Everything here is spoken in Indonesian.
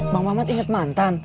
bang mamat inget mantan